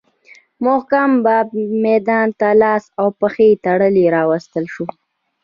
محکوم به میدان ته لاس او پښې تړلی راوستل شو.